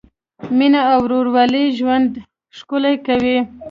مینه او ورورولي ژوند ښکلی کوي.